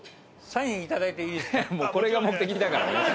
これが目的だからね。